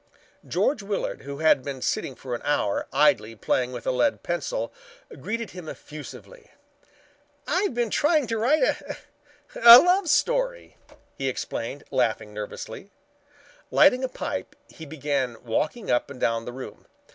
George Willard, who had been sitting for an hour idly playing with a lead pencil, greeted him effusively. "I've been trying to write a love story," he explained, laughing nervously. Lighting a pipe he began walking up and down the room.